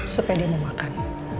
supnya dia mau makan